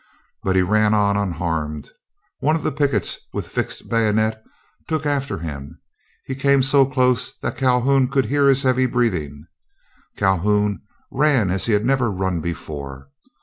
But he ran on unharmed. One of the pickets with fixed bayonet took after him. He came so close that Calhoun could hear his heavy breathing. Calhoun ran as he had never run before.